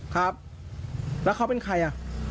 ครับแล้วเขาเป็นใครอ่ะ